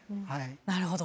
なるほど。